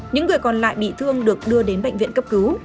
những người còn lại bị thương được đưa đến bệnh viện cấp cứu